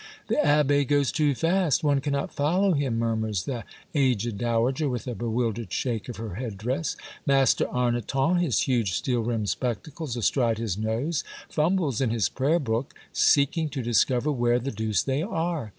"The abbe goes too fast. One cannot follow him," murmurs the aged dowager, with a bewil dered shake of her head dress. Master Arnoton, his huge steel rimmed spectacles astride his nose, fumbles in his prayer book, seeking to discover where the deuce they are.